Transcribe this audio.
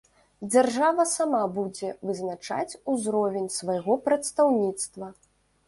Дзяржава сама будзе вызначаць узровень свайго прадстаўніцтва.